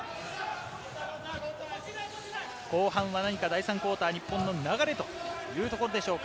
後半は何か第３クオーター、日本の流れというところでしょうか？